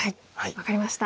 分かりました。